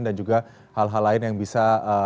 dan juga hal hal lain yang bisa